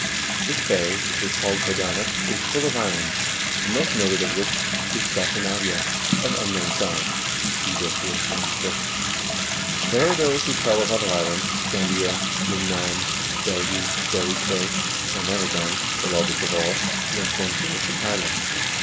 This bay, which is called Codanus, is full of islands, the most noted of which is Scati navia, of unknown size." — Lib. IV., 96. "There are those who tell of other islands, Scandia, Dumnam, Bergi, Berice, or Nerigon,1 the largest of all, whence one sails to Tyle.